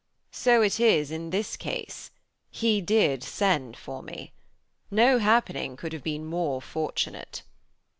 'So it is in this case, he did send for me. No happening could have been more fortunate.'